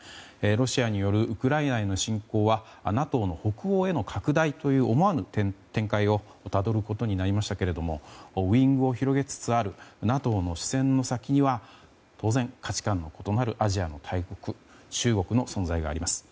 ロシアによるウクライナへの侵攻はＮＡＴＯの北欧への拡大という思わぬ展開をたどることになりましたけれどもウィングを広げつつあるＮＡＴＯの視線の先には当然、価値観の異なるアジアの大国中国の存在があります。